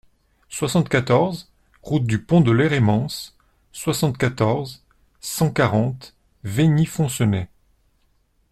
soixante-quatorze route du Pont de l'Hermance, soixante-quatorze, cent quarante, Veigy-Foncenex